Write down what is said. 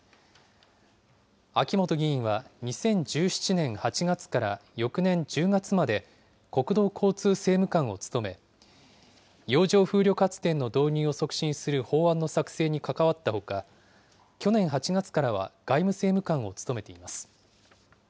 秋本議員は２０１７年８月から翌年１０月まで、国土交通政務官を務め、洋上風力発電の導入を促進する法案の作成に関わったほか、去年８月からは外務政務官を務めています。